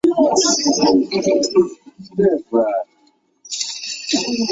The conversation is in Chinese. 佛子庙的历史年代为清代。